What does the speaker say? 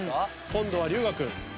今度は龍我君。